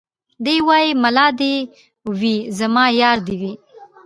دی وايي ملا دي وي زما يار دي وي